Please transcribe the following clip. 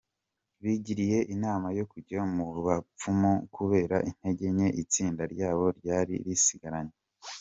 Bigiriye inama yo kujya mu bapfumu kubera intege nke itsinda ryabo ryari risigaranye.